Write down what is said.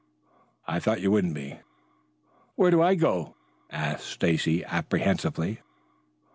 "I thought you wouldn't be." "Where do I go?" asked Stacy apprehensively.